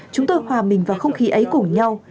chúng tôi hòa mình vào không khí ấy cùng nhau